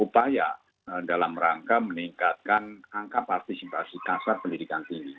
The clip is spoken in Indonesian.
upaya dalam rangka meningkatkan angka partisipasi kasar pendidikan tinggi